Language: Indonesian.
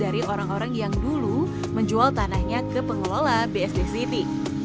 dari orang orang yang dulu menjual tanahnya ke pengelola bsd city